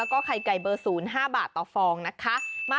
ขัยไก่เบอร์ศูนย์๕บาทต่อฟองค่ะ